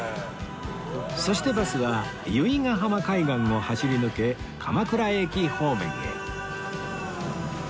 そしてバスは由比ヶ浜海岸を走り抜け鎌倉駅方面へ